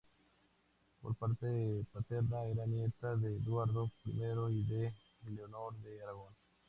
Por parte paterna era nieta de Eduardo I y de Leonor de Aragón.